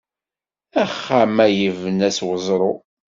Axxam-a yebna s weẓru.